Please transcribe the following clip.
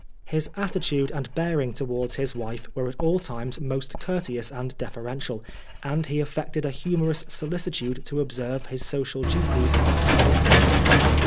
His attitude and bearing towards his wife were at all times most courteous and deferential, and he affected a humorous solicitude to observe his social duties as her husband.